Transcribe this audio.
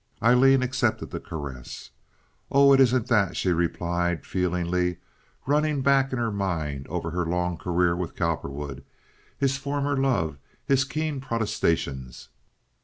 Aileen accepted the caress. "Oh, it isn't that," she replied, feelingly, running back in her mind over her long career with Cowperwood, his former love, his keen protestations.